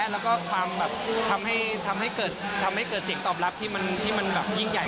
แล้วก็ความแบบทำให้เกิดเสียงตอบรับที่มันแบบยิ่งใหญ่